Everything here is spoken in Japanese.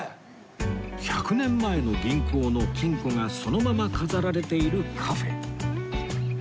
１００年前の銀行の金庫がそのまま飾られているカフェ